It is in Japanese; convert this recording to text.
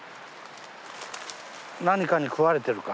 何かに食われてるか？